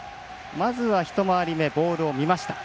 まずは１回り目ボールを見ました。